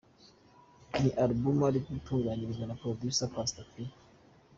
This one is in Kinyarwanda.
Ni album ari gutunganyirizwa na Producer Pastor P.